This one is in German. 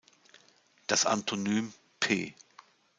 Das Antonym "p.